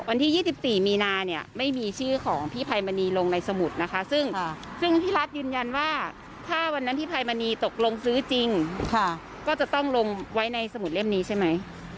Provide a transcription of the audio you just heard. วันที่๒๔มีนาเนี่ยไม่มีชื่อของพี่ภัยมณีลงในสมุดนะคะซึ่งพี่รัฐยืนยันว่าถ้าวันนั้นที่ภัยมณีตกลงซื้อจริงก็จะต้องลงไว้ในสมุดเล่มนี้ใช่ไหม